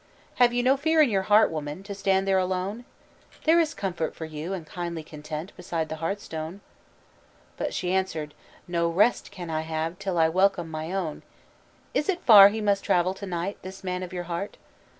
"'Have you no fear in your heart, woman, To stand there alone? There is comfort for you and kindly content Beside the hearthstone.' But she answered, 'No rest can I have Till I welcome my own.' "'Is it far he must travel to night, This man of your heart?'